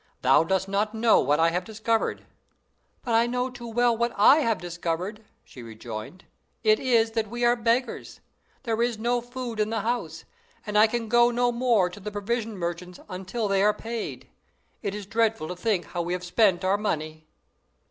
Thou dost not know what I have discovered!" "But I know too well what I have discovered," she rejoined; "it is that we are beggars. There is no food in the house, and I can go no more to the provision merchants until they are paid. It is dreadful to think how we have spent our money!"